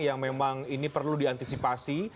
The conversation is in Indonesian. yang memang ini perlu diantisipasi